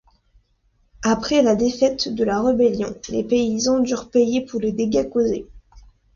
Après la défaite de la rébellion, les paysans durent payer pour les dégâts causés.